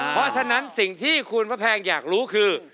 เพราะฉะนั้นสิ่งที่คุณพระแพงอยากรู้คือ